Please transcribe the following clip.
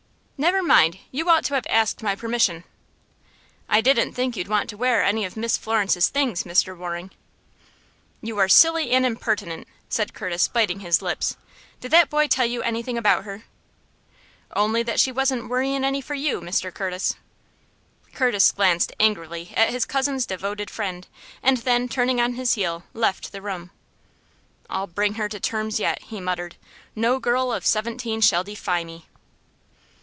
"Never mind; you ought to have asked my permission." "I didn't think you'd want to wear any of Miss Florence's things, Mr. Waring." "You are silly and impertinent," said Curtis, biting his lips. "Did that boy tell you anything about her?" "Only that she wasn't worryin' any for you, Mr. Curtis." Curtis glanced angrily at his cousin's devoted friend, and then, turning on his heel, left the room. "I'll bring her to terms yet," he muttered. "No girl of seventeen shall defy me!"